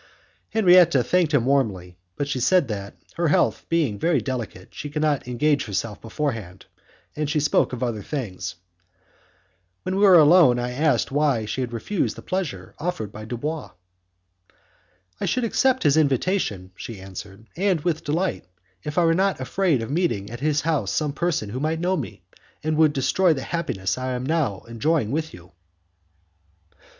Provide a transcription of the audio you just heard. Henriette thanked him warmly, but she said that, her health being very delicate, she could not engage herself beforehand, and she spoke of other things. When we were alone, I asked her why she had refused the pleasure offered by Dubois. "I should accept his invitation," she answered, "and with delight, if I were not afraid of meeting at his house some person who might know me, and would destroy the happiness I am now enjoying with you."